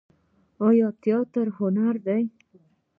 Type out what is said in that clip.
آیا تیاتر هنر دی؟